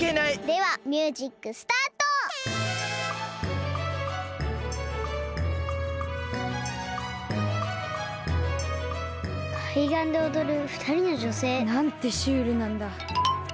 ではミュージックスタート！かいがんで踊るふたりのじょせい。なんてシュールなんだ。